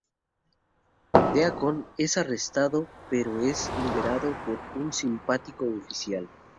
Deacon es arrestado pero es liberado por un simpático oficial.